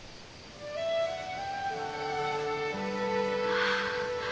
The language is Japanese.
ああ！